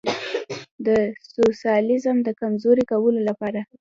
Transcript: د سوسیالیزم د کمزوري کولو لپاره.